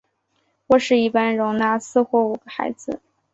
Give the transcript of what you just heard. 卧室一般容纳四或五个孩子。